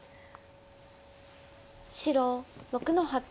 白６の八。